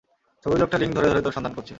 ছবির লোকটা লিঙ্ক ধরে, ধরে তোর সন্ধান করছে।